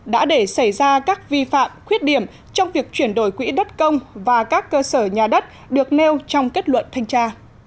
đã để xảy ra các vi phạm khuyết điểm trong việc chuyển đổi quỹ đất công và các cơ sở nhà đất được nêu trong kết luận thanh tra